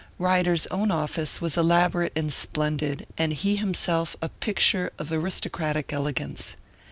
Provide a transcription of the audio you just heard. Ryder's own office was elaborate and splendid, and he himself a picture of aristocratic elegance.